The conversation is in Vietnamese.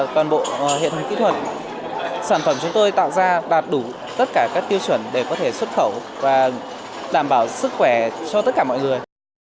toàn bộ hiện kỹ thuật sản phẩm chúng tôi tạo ra đạt đủ tất cả các tiêu chuẩn để có thể xuất khẩu và đảm bảo sức khỏe cho tất cả mọi người